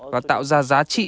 và tạo ra giá trị